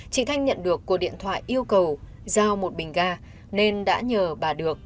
chị thanh nhận được cuộc điện thoại yêu cầu giao một bình ga nên đã nhờ bà được